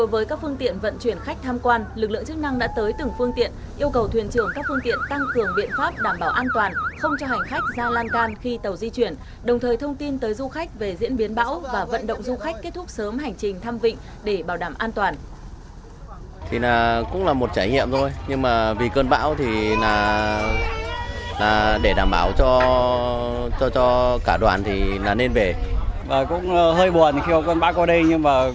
với các phương tiện vận chuyển khách tham quan lực lượng chức năng đã tới từng phương tiện yêu cầu thuyền trưởng các phương tiện tăng cường biện pháp đảm bảo an toàn không cho hành khách ra lan can khi tàu di chuyển đồng thời thông tin tới du khách về diễn biến bão và vận động du khách kết thúc sớm hành trình thăm vịnh để bảo đảm an toàn